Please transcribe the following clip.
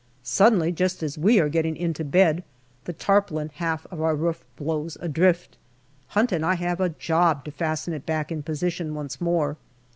Suddenly, just as we are getting into bed, the tarpaulin half of our roof blows adrift. Hunt and I have a job to fasten it back in position once more.